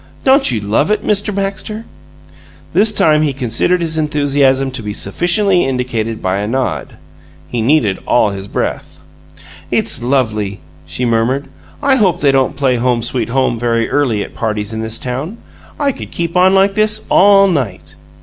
"Don't you love it, Mr. Baxter?" This time he considered his enthusiasm to be sufficiently indicated by a nod. He needed all his breath. "It's lovely," she murmured. "I hope they don't play 'Home, Sweet Home' very early at parties in this town. I could keep on like this all night!"